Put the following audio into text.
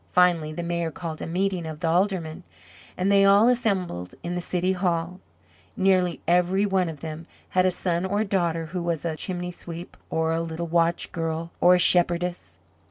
Finally the Mayor called a meeting of the Aldermen, and they all assembled in the City Hall. Nearly every one of them had a son or a daughter who was a chimney sweep, or a little watch girl, or a shepherdess.